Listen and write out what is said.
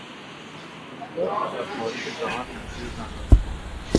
رویدادی که در تاریخ جهان نظیر ندارد